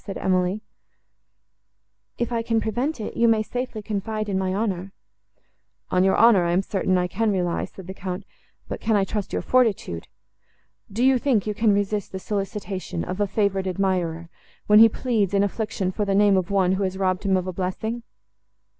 said Emily; "if I can prevent it, you may safely confide in my honour."—"On your honour I am certain I can rely," said the Count; "but can I trust your fortitude? Do you think you can resist the solicitation of a favoured admirer, when he pleads, in affliction, for the name of one, who has robbed him of a blessing?"